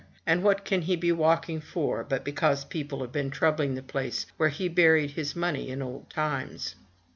And what can he be walking for, but because people have been troubling the place where he buried his money in old times?"